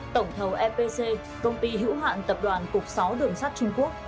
tổng thầu epc công ty hữu hạn tập đoàn cục sáu đường sắt trung quốc